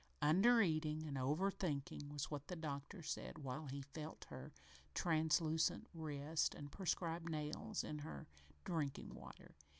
"Under eating and over thinking" was what the doctor said while he felt her translucent wrist and prescribed nails in her drinking water.